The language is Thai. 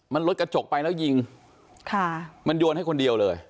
มันลดกระจกไปแล้วยิงค่ะมันโยนให้คนเดียวเลย